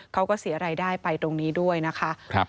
เขาก็เสียรายได้ไปตรงนี้ด้วยนะคะ